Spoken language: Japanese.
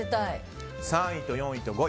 ３位と４位と５位。